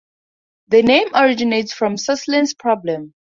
The name originates from Suslin's Problem.